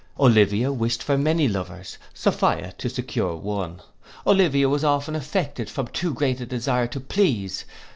Olivia wished for many lovers, Sophia to secure one. Olivia was often affected from too great a desire to please.